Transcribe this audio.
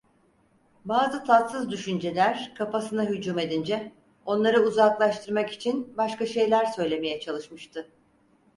Bazı tatsız düşünceler kafasına hücum edince, onları uzaklaştırmak için başka şeyler söylemeye çalışmıştı.